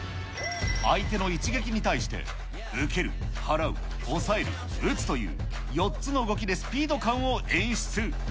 相手の一撃に対して、受ける、払う、抑える、打つという、４つの動きでスピード感を演出。